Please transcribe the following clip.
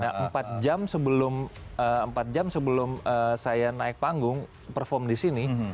nah empat jam sebelum saya naik panggung perform di sini